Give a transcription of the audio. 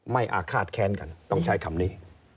อาฆาตแค้นกันต้องใช้คำนี้